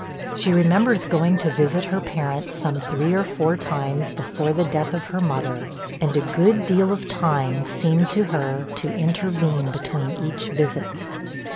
She remembers going to visit her parents some three or four times before the death of her mother, and a good deal of time seemed to her to intervene between each visit.